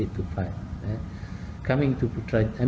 jika anda ingin bekerja di putrajaya